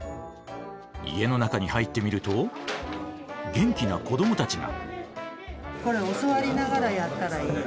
家の中に入ってみると元気な子どもたちが。